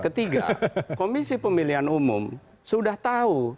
ketiga komisi pemilihan umum sudah tahu